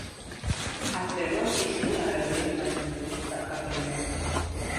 ასე რომ, ისინი არ არიან გადამდები საკაბელო.